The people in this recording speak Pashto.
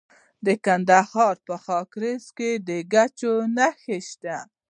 د کندهار په خاکریز کې د ګچ نښې شته.